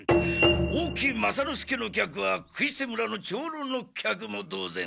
大木雅之助の客は杭瀬村の長老の客も同然。